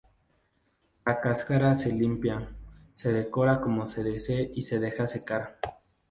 La cáscara se limpia, se decora como se desee y se deja secar.